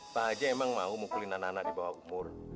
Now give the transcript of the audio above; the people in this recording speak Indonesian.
pak aja emang mau mukulin anak anak di bawah umur